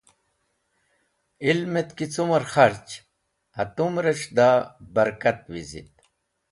Ilmẽt ki cumẽr kharch hatumrẽsh da bẽrkat wizit.